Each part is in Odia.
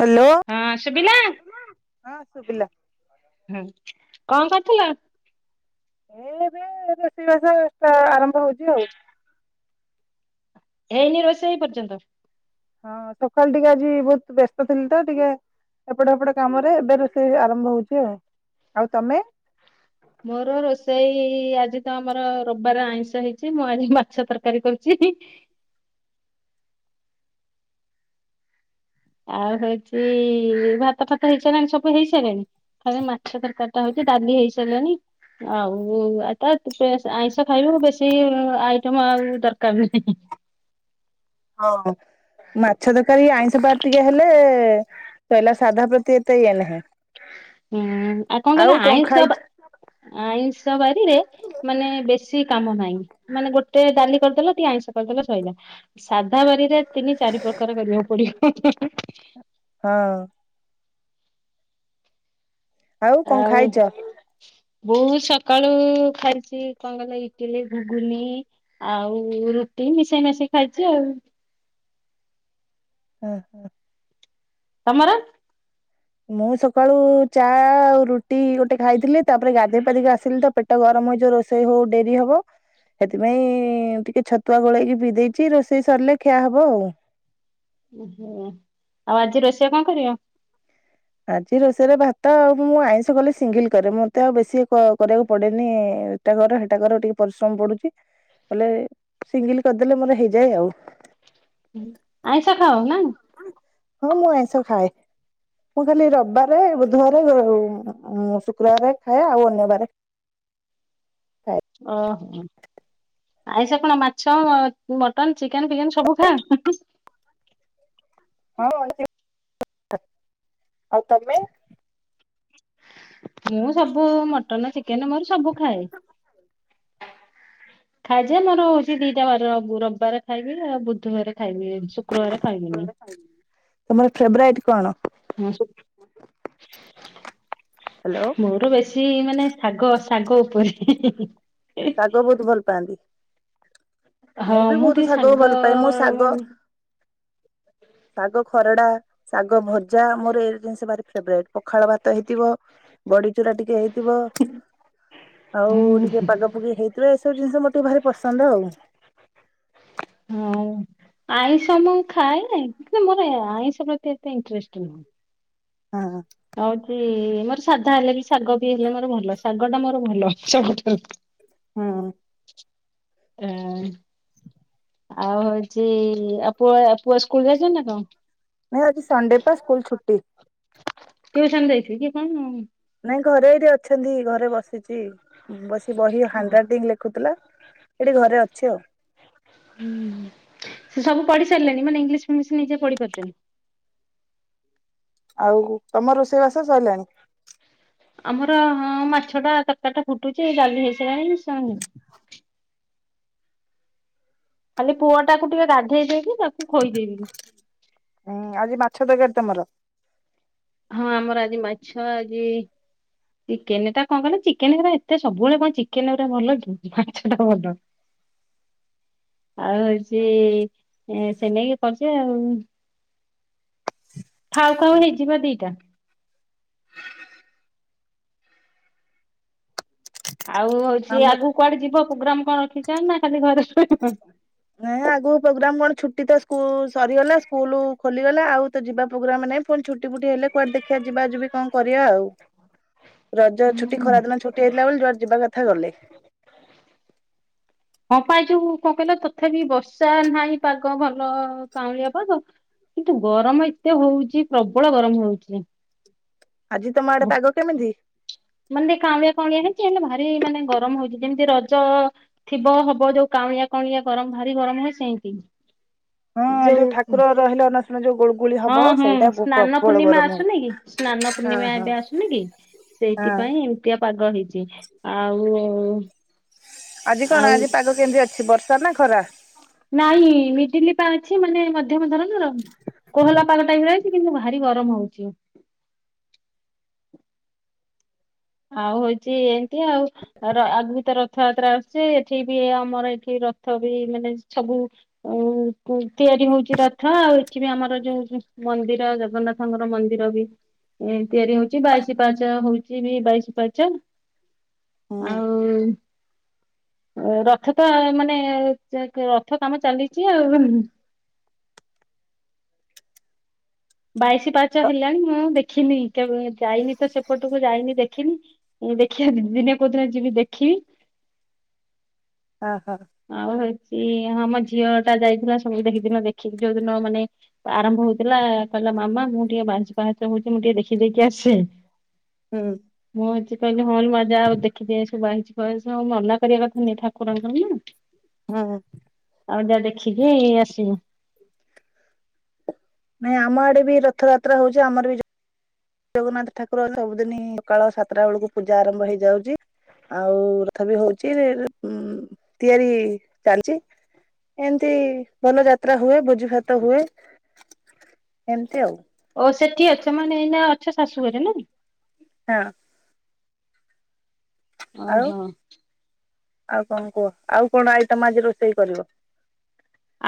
ହ୍ୟାଲୋ ହଁ ଶୁଭିଲା ହଁ ଶୁଭିଲା। ହୁଁ କଣ କରୁଥିଲ। ଏବେ ରୋଷେଇବାସ ସେଟା ଆରମ୍ଭ ହଉଛି ଆଉ। ହେଇନି ରୋଷେଇ ଏ ପର୍ଯ୍ୟନ୍ତ। ହଁ ସକାଳେ ଟିକେ ଆଜି ବହୁତ ବ୍ୟସ୍ତ ଥିଲି ତ ଟିକେ। ଏପଟ ଏପଟ କାମରେ ଏବେ ରୋଷେଇ ଆରମ୍ଭ ହଉଛି ଆଉ ଆଉ ତମେ? ମୋର ରୋଷେଇ ଆଜି ତ ଆମର ରବିବାର ଆଇଁଷ ହେଇଛି ମୁଁ ଆଜି ମାଛ ତରକାରୀ କରୁଛି। ଆଉ ହେଉଛି ଭାତ ଫାତ ହେଇସାରିଲାଣି ସବୁ ହେଇ ସାରିଲାଣି। ଖାଲି ମାଛ ତରକାରୀଟା ହଉଛି ଡାଲି ହେଇସାରିଲାଣି। ଆଉ ତ ଆଇଁଷ ଖାଇବୁ ବେଶୀ ଆଇଟମ ଆଉ ଦରକାର ନାହିଁ। ହଁ ମାଛ ତରକାରୀ ଆଇଁଷ ବାର ଟିକେ ହେଲେ ସଇଲା ସାଧା ପ୍ରତି ଏତେ ଇଏ ନାହିଁ। ହୁଁ ଆଉ କଣ କହିଲ ଆଇଁଷ ଆଇଁଷ ବାରିରେ। ମାନେ ବେଶୀ କାମ ନାହିଁ ମାନେ ଗୋଟେ ଡାଲି କରିଦେଲ ଟିକେ ଆଇଁଷ କରିଦେଲ ସଇଲା। ସାଧା ବାରିରେ ତିନି ଚାରି ପ୍ରକାର କରିବାକୁ ପଡିବ। ହଁ। କଣ ଆଉ ଖାଇଛ? ବହୁତ ସକାଳୁ ଖାଇଛି କଣ କହିଲେ ଇଟିଲି ଘୁଗୁନି। ଆଉ ରୁଟି ମିଶେଇ ମାଶେଇ ଖାଇଛି ଆଉ। ହଁ ହଁ। ତମର? ମୁଁ ସକାଳୁ ଚା ଆଉ ରୁଟି ଗୋଟେ ଖାଇଥିଲି ତାପରେ ଗାଧୋଇ ପାଧେଇକି ଆସିଲି ତ। ପେଟ ଗରମ ହେଇଯିବ ରୋଷେଇ ହଉ ହଉ ଡେରି ହବ। ସେଥିପାଇଁ ଟିକେ ଛତୁଆ ଗୋଳେଇକି ପି ଦେଇଛି ରୋଷେଇ ସରିଲେ ଖିଆ ହବ ଆଉ। ଓହୋ ଆଉ ଆଜି ରୋଷେଇଆ କଣ କରିବ। ଆଜି ରୋଷେଇରେ ଭାତ ଆଉ ମୁଁ ଆଇଁଷ କଲେ ସିଙ୍ଗିଲ୍ କରେ ମତେ ଆଉ ବେଶୀ କରିବାକୁ ପଡେନି। ଏଇଟା କର ସେଇଟା କର ଟିକେ ପରିଶ୍ରମ ପଡୁଛି ବଲେ ସିଙ୍ଗିଲ କରିଦେଲେ ମୋର ହେଇଯାଏ ଆଉ। ହୁଁ ଆଇଁଷ ଖାଅ ନା? ହଁ ମୁଁ ଆଇଁଷ ଖାଏ। ମୁଁ ଖାଲି ରବିବାରେ, ବୁଧବାରେ ଆଉ-ଉ-ଉ-ଉ ଶୁକ୍ରବାରେ ଖାଏ ଆଉ ଅନ୍ୟବାରେ ଓହୋ, ଆଇଁଷ କଣ ମାଛ ଅ ମଟନ, ଚିକେନ ଫିକେନ ସବୁ ଖାଆନ୍ତି? [unintelligible] ଆଉ ତମେ? ମୁଁ ସବୁ ମଟନ ଚିକେନ ମୋର ସବୁ ଖାଏ। ଖାଏ ଯେ ମୋର ହଉଛି ଦିଟା ବାର। ରବିବାର ଖାଇବି ଆଉ ବୁଧବାର ଖାଇବି, ଶୁକ୍ରବାର ଖାଇବିନି। ତମର ଫେବରାଇଟ୍ କଣ? ହଁ ସୁ ହ୍ୟାଲୋ ମୋର ବେଶୀ କି ମାନେ ଶାଗ ଶାଗ ଉପରେ ହିଁ ହିଁ ଶାଗ ବହୁତ ଭଲ ପାଆନ୍ତି? ମୁଁ ହଁ ବି ବହୁତ ଟିକେ ଶାଗ ଶାଗକୁ ଭଲ ପାଏ। ମୁଁ ଶାଗ ମାନେ ଶାଗ ଖରଡା ଶାଗ ଭଜା ମୋର ଏଇ ଜିନିଷ ଭାରି ଫେବରାଇଟ। ପଖାଳ ଭାତ ହେଇଥିବ, ବଡିଚୁରା ଟିକେ ହେଇ ଥିବ ଆଉ ଟିକେ ହୁଁ ପାଗ ପୁଗି ହେଇଥିବ। ଏସବୁ ଜିନିଷ ମୋର ଟିକେ ଭାରି ପସନ୍ଦ ଆଉ। ମୁଁ, ଆଇଁଷ ମୁଁ ଖାଏ ମୋର ଆଇଁଷ ପ୍ରତି ଏତେ ଇଣ୍ଟରେଷ୍ଟ ନୁହଁ। ହଁ। ଆ ହଉଛି-ଇ-ଇ-ଇ ମୋର ସାଧା ହେଲେ ବି ଶାଗ ବିି ହେଲେ ମୋର ଭଲ ଶାଗ ଟା ମୋର ଭଲ ସବୁଠାରୁ। ହୁଁ। ଏଁ। ଆଉ ହଉଛି-ଇ-ଇ ଆଉ ପୁଅ ପୁଅ ସ୍କୁଲ ଯାଇଚି ନା କଣ? ନଁ ଆଜି ସଣ୍ଡେ ତ ସ୍କୁଲ ଛୁଟି। ଟିଉସନ୍ ଯାଇଥିବେ କି କଣ-ଅ-ଅ? ନାଇଁ ଘରେ ଏଇଠି ଅଛନ୍ତି। ଘରେ ବସିଛି, ବସି ବହି ହାଣ୍ଡରାଇଟିଙ୍ଗ ଲେଖୁଥିଲା ସେଠି ଘରେ ଅଛି ଆଉ। ହୁଁ ସେ ସବୁ ପଢି ସାରିଲେଣି ମାନେ ଇଂଲିଶ ଫିଙ୍ଗିଲିସି ନିଜେ ପଢି ପାରୁଛନ୍ତି। ଆଉ ତମ ରୋଷେଇବାସ ସରିଲାଣି? ଆମର-ଅ-ଅ-ଅ ହଁ ମାଛ ଟା ତରକାରୀ ଟା ଫୁଟୁଛି ଡାଲି ହେଇସାରିଲାଣି। [unintelligible] ଖାଲି ପୁଅ ଟାକୁ ଟିକେ ଗାଧେଇ ଦେଇକି ତାକୁ ଖୋଇଦେଇବି। ଉଁ ଆଜି ମାଛ ତରକାରି ତମର? ହଁ ଆମର ଆଜି ମାଛ ଆଜି ଚିକେନ ଟା କଣ କଲେ ଚିକେନେ ଗୁରା ଏତେ ସବୁବେଳେ କଣ ଚିକେନ୍ ଗୁରା ଭଲ କି ମାଛ ଟା ଭଲ। ଆଉ ହଉଛି-ଇ-ଇ-ଇ ସେ ନେଇକି କରିଛି ଆଉ। ଖାଉ ଖାଉ ହେଇଯିବ ଦିଟା। ଆଉ ହଉଛି ଆମ ଆଗକୁ କୁଆଡେ ଯିବ ପ୍ରୋଗ୍ରାମ କଣ ରଖିଛ ନା ଖାଲି ଘରେ [unintelligible] ନାଇଁ ଆଗକୁ ପ୍ରୋଗ୍ରାମ କଣ, ଛୁଟି ତ ସ୍କୁଲ ସରିଗଲା ସ୍କୁଲ ଖୋଲିଗଲା ଆଉ ତ ଯିବା ପ୍ରୋଗ୍ରାମ ନାଇଁ ପୁଣି ଛୁଟି ଫୁଟି ହେଲେ କୁଆଡେ ଦେଖିବା ଯିବା ଯିବି କଣ କରିବା ଆଉ। ହ। ରଜ ଛୁଟି ଖରା ଦିନ ଛୁଟି ହେଇଥିଲା ବୋଲି ଜୁଆଡେ ଯିବା କଥା ଗଲେ। ହଁ ପା ଯୋଉ କଣ କହିଲ ତଥାପି ବର୍ଷା ନାହିଁ ପାଗ ଭଲ କାଉଁଳିଆ ପାଗ କିନ୍ତୁ ଗରମ ଏତେ ହଉଛି ପ୍ରବଳ ଗରମ ହଉଛି। ଆଜି ତମ ଆଡେ ବୋ ପାଗ କେମିତି? ମାନେ କାଉଁଳିଆ କାଉଁଳିଆ ହେଇଛି ହେଲେ ଭାରି ମାନେ ଗରମ ହଉଛି ଯେମିତି ରଜ-ଅ-ଅ-ଅ ଥିବ ହବ ଯୋଉ କାଉଁଳିଆ କାଉଁଳିଆ ଗରମ ଭାରି ଗରମ ହୁଏ ସେମତି। ହଁ ଯୋଉ ଠାକୁର ରହିଲା ନ ଶୁଣ ଯୋଉ ଗୁଳ ହଁ ହଁ ସ୍ନାନ ପୂର୍ଣ୍ଣିମା ହଉ ଆସୁନି କି ସ୍ନାନ ହଁ ପୂର୍ଣ୍ଣିମା ହଁ ଏବେ ଆସୁନି କି ହଁ ସେଇଥିପାଇଁ ଏମ୍ ବଡ଼ିଆ ପାଗ ହେଇଛି ଆଉ ଆଜି କଣ ଆଉ ଆଜି ପାଗ କେମିତି ଅଛି ବର୍ଷା ନା ଖରା? ନାଇଁ ମିଡିଲି ପା ଅଛି ମାନେ ମଧ୍ୟମ ଧରଣର କୋହଲା ପାଗ ଟା ବି ନାହିଁ କିନ୍ତୁ ଭାରି ଗରମ ହଉଛି। ଆଉ ହଉଛି ଏମିତି ଆଉ। ଆଗ ର ରଥଯାତ୍ରା ଆସୁଛି ଏଠି ବି ଆମର ଏଠି ରଥ ବି ମାନେ ସବୁ ଉଁ ଆଉ ତିଆରି ହଉଛିି ରଥ ଆଉ ଏଠି ବି ଆମର ଯୋଉ ମନ୍ଦିର ଜଗନ୍ନାଥ ଙ୍କର ମନ୍ଦିର ବି ଏ ତିଆରି ହଉଛି ବାଇଶି ପାଚ ହଉଛି ବି ବାଇଶି ପାହାଚ ଆଉ ରଥ ତ ମାନେ ରଥ କାମ ଚାଲିଛି ଆଉ। ବାଇଶି ପାହାଚ ହେଲାଣି, ମୁଁ ଦେଖିନି କେ ଯାଇନି ତ ସେପଟକୁ ଯାଇନି ଦେଖିନି। ଦେଖିଆ ଦିନେ କୋଉ ଦିନ ଯିବି ଦେଖିବି। ଆ ହା। ଆଉ ହେଉଛି ଆମ ଝିଅ ଟା ଯାଇଥିଲା ସବୁ ଦେଖିଦିନ ଦେଖିକି ଯୋଉଦିନ ମାନେ ଆରମ୍ଭ ହଉଥିଲା କହିଲା ମାମା ମୁଁ ଟିକେ ବାଇସି ପାହାଚ ହଉଛି ମୁଁ ଟିକେ ଦେଖି ଦେଇକି ଆସେ। ହୁଁ। ମୁଁ ଆଛି କହିଲି ହଁ ଲୋ ମା ଯା, ଆଉ ଦେଖି ଦେଇ ଆସିବୁ ବାଇଶିପାହାଚ ଆଉ ମନା କରିବା କଥା ନୁହ ଠାକୁରଙ୍କର ନା। ହଁ। ଆଉ ଯା ଦେଖିକି ଆସିବୁ। ନାଇଁ, ଆମ ଆଡେ ବି ରଥଯାତ୍ରା ହଉଛି। ଆମର ବି ଜଗନ୍ନାଥ ଠାକୁର ସବୁଦିନି ସକାଳ ସାତଟା ବେଳକୁ ପୂଜା ଆରମ୍ଭ ହେଇଯାଉଛି। ଆଉ ରଥ ବି ହଉଛି ଉ, ତିଆରି ଚାଲିଛି। ଏମିତି ଭଲ ଯାତ୍ରା ହୁଏ, ଭୋଜି ଭାତ ହୁଏ, ଏମିତି ଆଉ। ଓ ସେଠି ଅଛ ମାନେ, ଏଇନା ଅଛ ଶାଶୁଘରେ ନାଇ। ହଁ। ହଁ ଆଉ ଓହୋ। ଆଉ କଣ କୁହ, ଆଉ କଣ ଆଇଟମ ଆଜି ରୋଷେଇ କରିବ?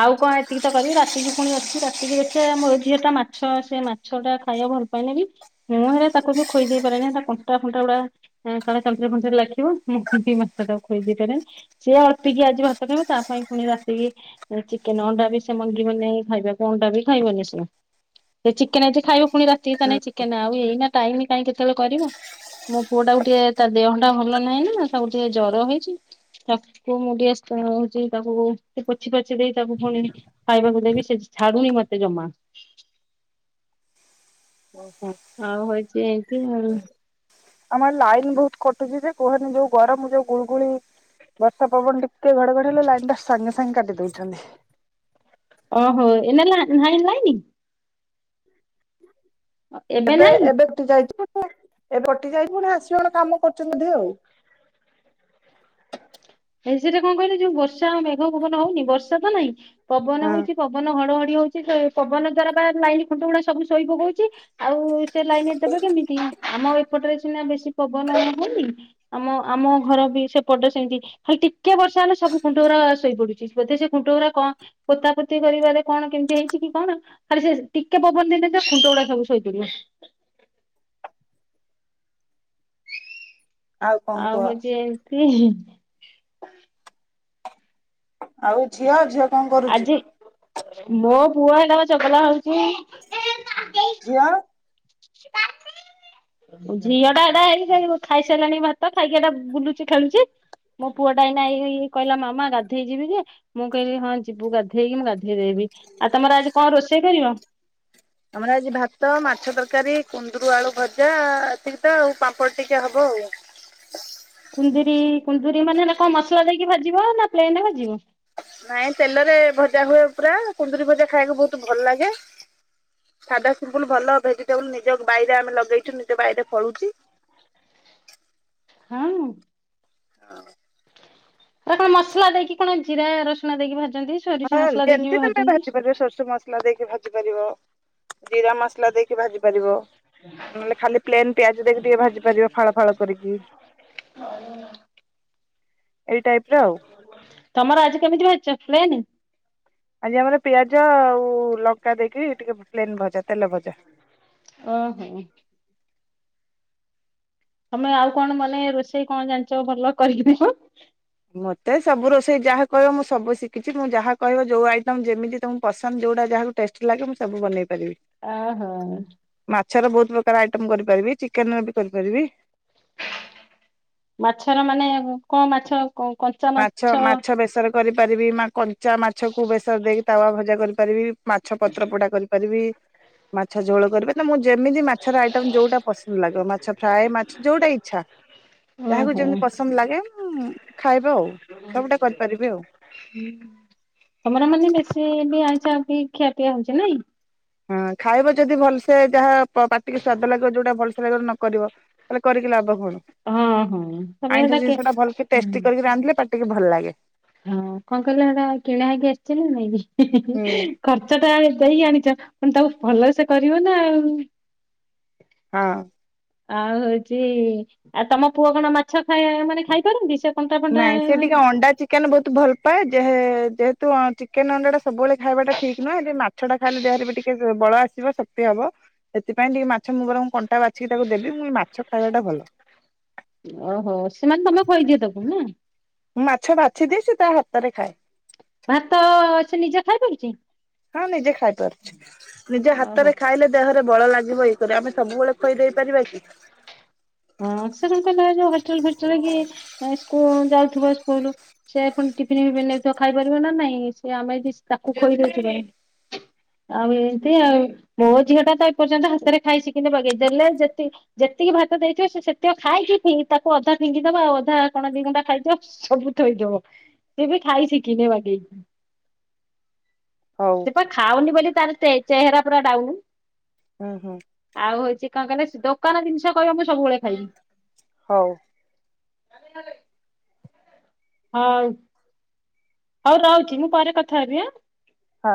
ଆଉ କଣ ଏତିକି ତ କରିବି, ରାତିକି ପୁଣି ଅଛି ରାତିକି ଦେଖିବା ମୋର ଝିଅଟା ମାଛ ସେ ମାଛ ଟା ଖାଇବା ଭଲ ପାଏନି, ମୁଁ ହେରା ତାକୁ ବି ଖୋଇ ଦେଇ ପାରେନି। ହେରା କଣ୍ଟା ପଣ୍ଟା ଗୁଡା କଲେ ତଣ୍ଟି ଫଣ୍ଟିରେ ଲେଖିବ [unintelligible] ସିଏ ଅଳ୍ପକି ଆଜି ଭାତ ଖାଇବ ତା ପାଇଁ ପୁଣି ରାତିକି ଚିକେନ, ଅଣ୍ଡା ବି ସେ ମଙ୍ଗିବନି ଖାଇବାକୁ। ଅଣ୍ଡା ବି ଖାଇବନି ସେ। ଚେକେନ ଏଠି ଖାଇବ, ପୁଣି ରାତି ନାଇଁ ଚିକେନ ଆଉ ଏଇନା ଟାଇମ କାହିଁ କେତେବେଳେ କରିବୁ। ମୋ ପୁଅ ଟାକୁ ଟିକେ ତା ଦେହ ଟା ଭଲ ନାହିଁ ନା ନା ତାକୁ ଟିକେ ଜର ହେଇଛି। ତାକୁ ଟିକେ ମୁଁ ଟିକେ ସୁନୋଉଛି ତାକୁ [unintelligible] ଦେଇ ତାକୁ ପୁଣି ଖାଇବାକୁ ଦେବି ସେ ଛାଡୁନି ମତେ ଜମା। [unintelligible] ଆଉ ହଉଛି ଏମିତି ଆଉ। ଆମର ଲାଇନ ବହୁତ କଟୁଛି, ସେ କୁହନି ଯୋଉ ଗରମ ଯୋଉ ଗୁଳୁଗୁଳି। ବର୍ଷା ପବନ ଟିକେ ଘଡ଼ଘଡଡି ହେଲେ ଲାଇନ ଟା ସାଙ୍ଗେ ସାଙ୍ଗେ କାଟିଦଉଛନ୍ତି। ଓହୋ, ଏଇନା ଲା ଲାଇନି ନାହିଁ? ଏବେ, ଏବେ କଟି ଯାଇଛି। ଏବେ କଟି ଯାଇଛି ପୁଣି ଆସିବ। କଣ କାମ କରୁଛନ୍ତି ବୋଧ ଆଉ। ଏ ସେଟା କଣ କହିଲେ ଯୋଉ ବର୍ଷା ଆ ମେଘ ପବନ ହଉନି, ବର୍ଷା ତ ନାହିଁ ପବନ ହଁ ହଉଛି। ପବନ ଘଡ଼ଘଡ଼ି ହଉଛି, ପବନ ଦ୍ଵାରା ପା ଲାଇନ୍ ଖୁଣ୍ଟ ଗୁଡା ସବୁ ଶୋଇ ପୋକଉଛି। ଆଉ ସେ ଲାଇନ ଦେବେ କେମିତି, ଆମ ଏପଟରେ ସିନା ବେଶୀ ପବନ ହୋଉନି ଆମ, ଆମ ଘର ବି ସେପଟ ସେମିତି ଖାଲି ଟିକେ ବର୍ଷା ହେଲେ ସବୁ ଖୁଣ୍ଟ ଗୁରୁ ଶୋଇପଡୁଛି। ବୋଧେ ସେ କୁଣ୍ଟ ଗୁରା କଣ ପୋତାପୋତି କରିବାରେ କଣ କେମିତି ହେଇଛି କି କଣ। ଖାଲି ସେ ଟିକେ ପବନ ଦେଇନଥିବ ଖୁଣ୍ଟଗୁଡା ସବୁ ଶୋଇପଡିବ। କଣ ଆଉ କୁହ ହଉଛି ଏମିତି। ଆଉ ଝିଅ, ଝିଅ କଣ କରୁଚି? ଆଜି ମୋ ପୁଅ ହେଟା ପା ଚଗଲା ହଉଛି। ଝିଅ? [unintelligible] ଝିଅ ଟା ଏଟା ହେଇ [unintelligible] ଖାଇସାରିଲାଣି ଭାତ ଖାଇକି ଏଟା ବୁଲୁଚି, ଖେଳୁଛି। ମୋ ପୁଅ ଟା ଏଇନା ଏଇ କହିଲା ମାମା ଗାଧେଇ ଯିବି ଯେ ମୁଁ କହିଲି ହଁ ଯିବୁ ଗାଧେଇ ମୁଁ ଗାଧେଇ ଦେବି ଆଉ ତମର ଆଜି କଣ ରୋଷେଇ କରିବ? ଆମର ଆଜି ଭାତ, ମାଛ ତରକାରୀ, କୁନ୍ଦୁରୁ ଆଳୁ ଭଜା, ଏତିକି ତ ଆଉ ପାମ୍ପଡ଼ ଟିକେ ହବ ଆଉ। କୁନ୍ଦୁରି କୁନ୍ଦୁରି ମାନେ କଣ ମସଲା ଦେଇକି ଭାଜିବ ନା ପ୍ଲେନ୍ ଭାଜିବ। ନାଇଁ ତେଲରେ ଭଜା ହୁଏ ପୁରା କୁନ୍ଦୁୁରି ଭଜା ଖାଇବାକୁ ବହୁତ୍ ଭଲ ଲାଗେ। ସାଧା ସିମ୍ପୁଲୁ ଭଲ ଭେଜିଟେବୁଲ୍ ନିଜ ବାଇରେ ଆମେ ଲଗେଇଚୁ ନିଜ ବାଇରେ ଫଳୁଛିି। ହୁଁ। [unintelligible] ଏରା କଣ ମସଲା ଦେଇକି କଣ ଜିରା, ରସୁଣ ଦେଇକି ଭାଜନ୍ତି? ସୋରିଷ ହଁ ମସଲା ଦେଇକି ଯେମିତି ବି ତମେ ଭାଜନ୍ତି। ଭାଜି ପାରିବ ଶୋରିଷ ମସଲା ଦେଇକି ଭାଜି ପାରିବ, ଜିରା ମସ ମସଲା ଦେଇକି ଭାଜି ପାରିବ ନହେଲେ ଖାଲି ପ୍ଲେନ୍ ପିଆଜ ଦେଇକି ଟିକେ ଭାଜି ପାରିବ। ଫାଳ ଫାଳ କରିକି ଏଇ ଟାଇପ୍ ର ଆଉ। ତମର ଆଜି କେମିତି ଭାଜିଚ ପ୍ଲେନ୍? ଆଜି ଆମର ପିଆଜ ଆଉ ଲଙ୍କା ଦେଇକି ଟିକେ ପ୍ଲେନ ଭଜା‌ ତେଲ ଭଜା। ଓହୋ। ତମେ ଆଉ କଣ ମାନେ ରୋଷେଇ କଣ ଜାଣିଛ ଭଲ କରିକି [unintelligible] ମତେ ସବୁ ରୋଷେଇ ଯାହା କହିବ ମୁଁ ସବୁ ଶିଖିଚି ମୁଁ ଯାହା କହିବ ଯୋଉ ଆଇଟମ୍ ଯେମିତି ତମକୁ ପସନ୍ଦ ଯୋଉଟା ଯାହାକୁ ଟେଷ୍ଟି ଲାଗେ ମୁଁ ସବୁ ବନେଇ ପାରିବି। ଆ ହୋ। ମାଛର ବହୁତ୍ ପ୍ରକାର ଆଇଟମ୍ କରିପାରିବି ଚିକେନ୍ ର ବି କରିପାରିବି। ମାଛର ମାନେ କଣ ମାଛ କଣ କଣ ମାଛ ମାଛ ବେସର କରିପାରିବି ମା କଞ୍ଚା ମାଛକୁ ବେସର ଦେଇକି ତାୱା ଭଜା କରିପାରିବି। ମାଛ ପତ୍ର ପୋଡ଼ା କରିପାରିବି ମାଛ ଝୋଳ କରିପା ମୁଁ ଯେମିତି ମାଛର ଆଇଟମ୍ ଯୋଉଟା ପସନ୍ଦ ଲାଗିବ ମାଛ ଫ୍ରାଏ ମାଛ ଯୋଉଟା ଇଚ୍ଛା। ଯାହାକୁ ଓହୋ। ଯେମିତି ଲାଗେ ଉଁ [inaudible] ତମର ମାନେ ବେଶୀ ବି ଆଇଁସ ଖିଆପିଆ ହଉଚି ନାଇଁ? ହଁ ଖାଇବ ଯଦି ଭଲସେ ଯାହା ପାଟିକି ସ୍ଵାଦ ଲାଗିବ ଯୋଉଟା ଭଲସେ ଲାଗିବ ଯଦି ନକରିବ। ତାହେଲେ କରିକି ଲାଭ କଣ ହଁ ହଁ। ତମେ ସେଟା ଆଇଁଷ କେ ଜିନିଷ ଟା ଭଲକି ହୁଁ ଟେଷ୍ଟି କରିକି ରାନ୍ଧିଲେ ପା ପାଟି କି ଭଲ ଲାଗେ। ହଁ କଣ କହିଲ ହେରା କିଣା ହେଇକି ଆସଚି ନା ନାଇଁ? ହୁଁ ଖର୍ଚ୍ଚ ଟା ଦେଇ ଆଣିଚ ପୁଣି ତାକୁ ଭଲ ସେ କରିବ ନା ଆଉ। ହଁ। ଆଉ ହଉଚି ଆଉ ତମ ପୁଅ କଣ ମାଛ ଖାଇ ମାନେ ଖାଇପାରନ୍ତି ସେ? କଣ୍ଟା ଫଣ୍ଟା ନାଇଁ ସେ ଟିକେ ଅଣ୍ଡା ଚି ଚିକେନ୍ ବହୁତ୍ ଭଲ ପାଏ ଯେହେ ଯେହେତୁ ଚିକେନ୍ ଅଣ୍ଡା ଟା ସବୁବେଳେ ଖାଇବାଟା ଠିକ୍ ନୁହେଁ [unintelligible] ମା ମାଛ ଟା ଖାଇଲେ ଦେହରେ ବି ଟିକେ ବଳ ଆସିବ ଶକ୍ତି ହବ। ସେଥିପାଇଁ ଟିକେ ମାଛ ମୁଁ ବରଂ କଣ୍ଟା ବାଛିକି ତାକୁ ଦେବି [unintelligible] ମାଛ ଖାଇବା ଟା ଭଲ। ଓହୋ ସେମାନେ ତମେ ଖୋଇଦିଅ ତାକୁ ନା? ମୁଁ ମାଛ ବାଛି ଦିଏ ସେ ତା ହାତରେ ଖାଏ। ଭାତ ସେ ନିଜେ ଖାଇ ପାରୁଚି? ହଁ ନିଜେ ଖାଇ ପାରୁଚି। ନିଜ ଓହୋ ହାତରେ ଖାଇଲେ ଦେହରେ ବଳ ଲାଗିବ ଇଏକରି ଆମେ ସବୁବେଳେ ଖୁଆଇ ଦେଇ ପାରିବା କି। ହଁ ସେ କଣ କହିଲ ଯୋଉ ହଷ୍ଟେଲ୍ ଫଷ୍ଟେଲ୍ କି ସ୍କୁ ଯାଉଥିବ ସ୍କୁଲ୍। ସେ ପୁଣି ଟିଫିନ ଫିପିନି ନେଇଥିବ ଖାଇପାରିବ ନା ନାଇଁ ସେ ଆମେ ଯେ ତାକୁ ଖୋଇ ଦଉଚେ ପୁଣି। ଆଉ ଏମିତି ଆଉ ମୋ ଝିଅ ଟା ତ ଏପର୍ଯ୍ୟନ୍ତ ହାତରେ ଖାଇ ସିଖିନି ବଗେଇ ଦେଲେ ଯେତି ଯେତିକି ଭାତ ଦେଇଥିବ ସେ ସେତିକ ଖାଇକି ଫିଂ ତାକୁ ଅଧା ଫିଙ୍ଗିଦବ ଆଉ ଅଧା କଣ ଦି ଗୁଣ୍ଡା ଖାଇଥିବ। ସବୁ ଥୋଇଦବ ସିଏ ବି ଖାଇ ଶି ଖିନି ବାଗେଇକି ହଉ ସେପା ଖାଉନି ବୋଲି ତାର ଚେ-ଚେହେରା ପୁରା ଡାଉନୁ। ହୁଁ ହୁଁ। ଆଉ ହଉଚି କଣ କହିଲ ଦୋକାନ ଜିନିଷ କହିବ ମୁଁ ସବୁବେଳେ ଖାଇମି। ହଉ। ହଉ ହଉ ରହୁଚି ମୁଁ ପରେ କଥା ହେବି ଆଁ। ହଁ।